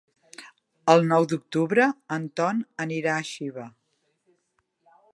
El nou d'octubre en Ton anirà a Xiva.